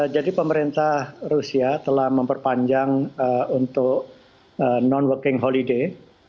jadi pemerintah rusia telah memperpanjang untuk non working holiday